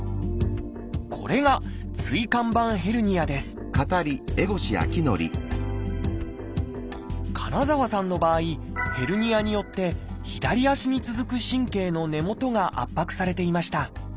これが椎間板ヘルニアです金澤さんの場合ヘルニアによって左足に続く神経の根元が圧迫されていました。